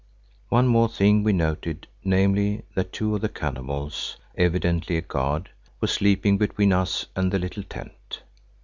One more thing we noted, namely, that two of the cannibals, evidently a guard, were sleeping between us and the little tent.